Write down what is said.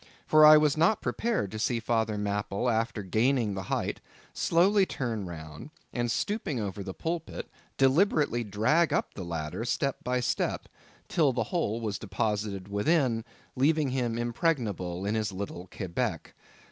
For I was not prepared to see Father Mapple after gaining the height, slowly turn round, and stooping over the pulpit, deliberately drag up the ladder step by step, till the whole was deposited within, leaving him impregnable in his little Quebec.